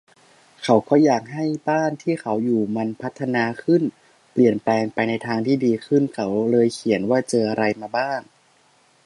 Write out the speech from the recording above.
เขาก็อยากให้บ้านที่เขาอยู่มันพัฒนาขึ้น เปลี่ยนแปลงไปในทางที่ดึขึ้นเขาเลยเขียนว่าเจออะไรมาบ้าง